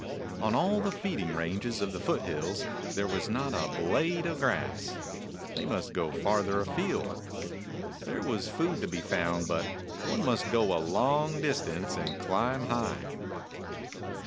On all the feeding ranges of the foot hills there was not a blade of grass. They must go farther afield. There was food to be found, but one must go a long distance and climb high.